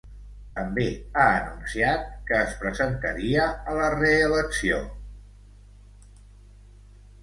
També ha anunciat que es presentaria a la reelecció.